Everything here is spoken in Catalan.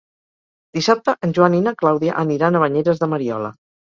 Dissabte en Joan i na Clàudia aniran a Banyeres de Mariola.